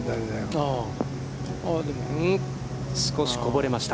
少しこぼれました。